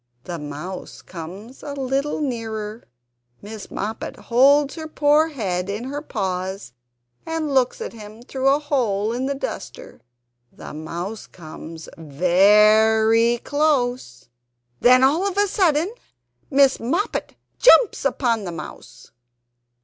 The Mouse comes a little nearer. Miss Moppet holds her poor head in her paws and looks at him through a hole in the duster. The Mouse comes VERY close. And then all of a sudden Miss Moppet jumps upon the Mouse!